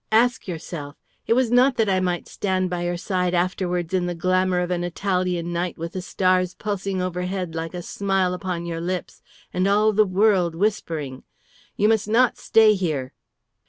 Ask yourself! It was not that I might stand by your side afterwards in the glamour of an Italian night with the stars pulsing overhead like a smile upon your lips, and all the world whispering! You must not stay here!"